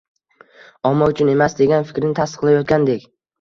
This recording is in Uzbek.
omma uchun emas, degan fikrni tasdiqlayotgandek…